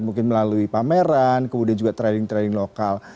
mungkin melalui pameran kemudian juga trading trading lokal